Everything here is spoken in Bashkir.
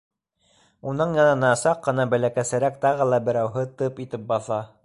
Уның янына саҡ ҡына бәләкәсерәк тағы берәүһе тып итеп баҫа: